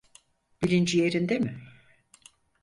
Bilinci yerinde mi?